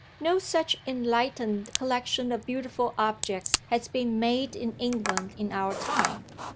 No such enlightened collection of beautiful objects has been made in England in our time."